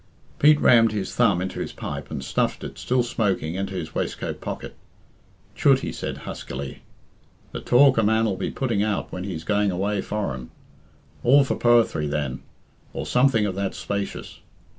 Pete rammed his thumb into his pipe, and stuffed it, still smoking, into his waistcoat pocket. "Chut!" he said huskily. "The talk a man'll be putting out when he's going away foreign! All for poethry then, or something of that spacious.